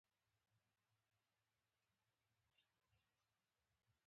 - چیرته چې سمندر وی،